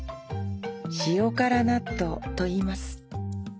塩辛納豆といいます